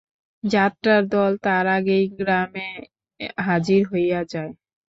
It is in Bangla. যাত্রার দল তার আগেই গ্রামে হাজির হইয়া যায়।